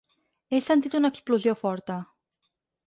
He sentit una explosió forta.